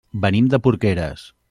Venim de Porqueres.